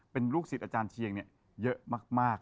เป็นลูกศิษย์อาจารย์เชียงเยอะมาก